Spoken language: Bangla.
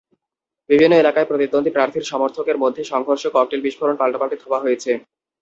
বিভিন্ন এলাকায় প্রতিদ্বন্দ্বী প্রার্থীর সমর্থকদের মধ্যে সংঘর্ষ, ককটেল বিস্ফোরণ, পাল্টাপাল্টি ধাওয়া হয়েছে।